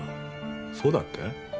そうだっけ？